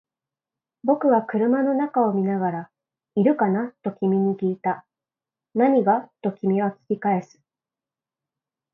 僕は車の中を見ながら、いるかな？と君に訊いた。何が？と君は訊き返す。